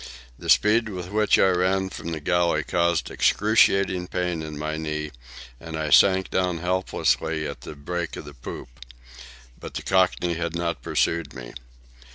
The speed with which I ran from the galley caused excruciating pain in my knee, and I sank down helplessly at the break of the poop. But the Cockney had not pursued me.